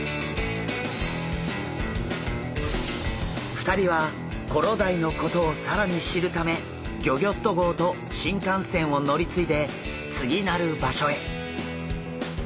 ２人はコロダイのことを更に知るためギョギョッと号と新幹線を乗り継いで次なる場所へ。